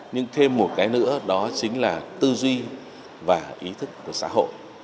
nhưng thêm một cái nữa đó chính là tư duy và ý thức của xã hội